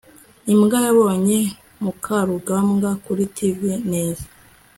imbwa yabonye mukarugambwa kuri tv. neza